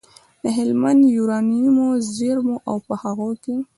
د هلمند یورانیمو زېرمو او په هغه کې